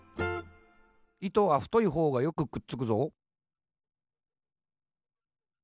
「糸は、太いほうがよくくっつくぞ。」